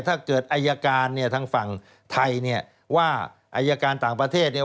ถ้าเกิดอายการเนี่ยทางฝั่งไทยเนี่ยว่าอายการต่างประเทศเนี่ย